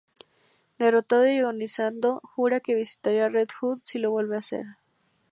Derrotado y agonizando, jura que visitaría a Red Hood si lo vuelve a ver.